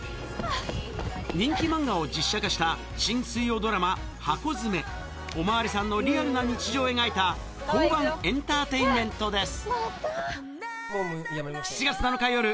人気漫画を実写化した新水曜ドラマ『ハコヅメ』お巡りさんのリアルな日常を描いた交番エンターテインメントです